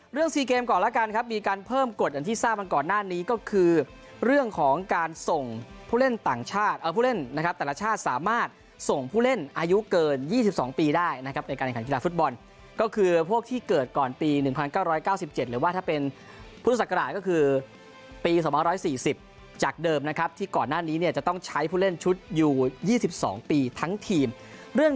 ๔เกมก่อนแล้วกันครับมีการเพิ่มกฎอย่างที่ทราบมาก่อนหน้านี้ก็คือเรื่องของการส่งผู้เล่นต่างชาติผู้เล่นนะครับแต่ละชาติสามารถส่งผู้เล่นอายุเกิน๒๒ปีได้นะครับในการแข่งขันกีฬาฟุตบอลก็คือพวกที่เกิดก่อนปี๑๙๙๗หรือว่าถ้าเป็นพุทธศักราชก็คือปี๒๔๐จากเดิมนะครับที่ก่อนหน้านี้เนี่ยจะต้องใช้ผู้เล่นชุดอยู่๒๒ปีทั้งทีมเรื่อง